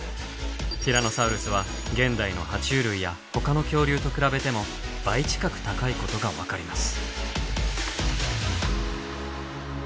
ティラノサウルスは現代のは虫類やほかの恐竜と比べても倍近く高いことが分かります。